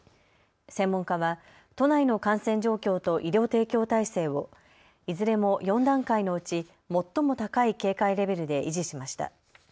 専門家は都内の感染状況と医療提供体制をいずれも４段階のうち最も高い警戒レベルで維持しました。